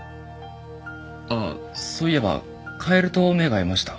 あっそういえばカエルと目が合いました。